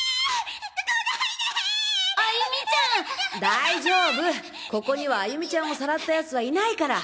大丈夫ここには歩美ちゃんをさらった奴はいないから。